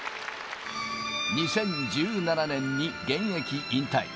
２０１７年に現役引退。